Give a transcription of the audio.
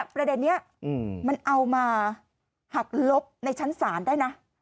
ประเด็นนี้มันเอามาหักลบในชั้นศาลได้นะ